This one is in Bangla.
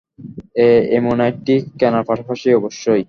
এই অ্যামোনাইটটা কেনার পাশাপাশি, অবশ্যই।